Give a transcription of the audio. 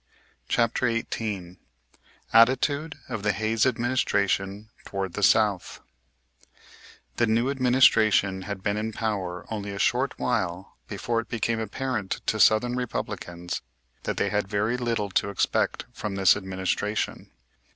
CHAPTER XVIII ATTITUDE OF THE HAYES ADMINISTRATION TOWARD THE SOUTH The new administration had been in power only a short while before it became apparent to southern Republicans that they had very little to expect from this administration.